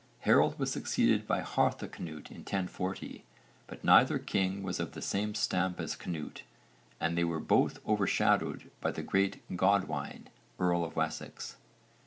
Harold was succeeded by Harthacnut in 1040, but neither king was of the same stamp as Cnut and they were both overshadowed by the great Godwine, earl of Wessex.